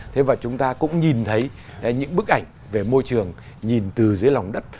thế và chúng ta cũng nhìn thấy những bức ảnh về môi trường nhìn từ dưới lòng đất